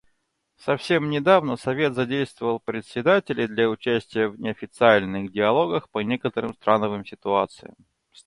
Совсем недавно Совет задействовал председателей для участия в неофициальных диалогах по некоторым страновым ситуациям.